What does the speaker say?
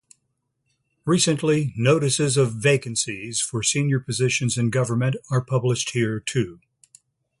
Recently, Notices of Vacancies for senior positions in Government are published here too.